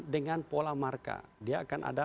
dengan pola marka dia akan ada